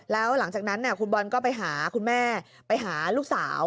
แล้วหลังจากนั้นคุณบอลก็ไปหาคุณแม่ไปหาลูกสาว